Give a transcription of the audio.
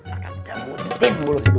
akan kecamutin mulut hidungnya satu persatu